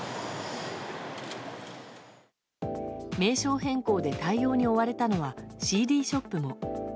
名称変更で対応に追われたのはＣＤショップも。